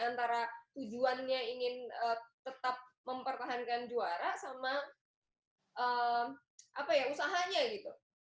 antara tujuannya ingin tetap mempertahankan juara sama usahanya gitu